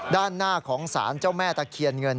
ด้านหน้าของสารเจ้าแม่ตะเคียนเงิน